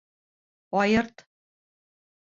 Айырт.